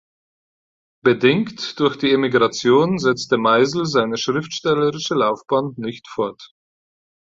Bedingt durch die Emigration setzte Meisel seine schriftstellerische Laufbahn nicht fort.